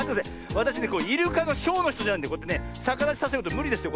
わたしねイルカのショーのひとじゃないんでさかだちさせることむりですよ